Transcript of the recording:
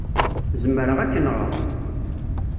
Zemreɣ ad k-nɣeɣ.